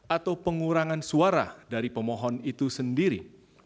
atau pengurangan suara dari pemohon itu sendiri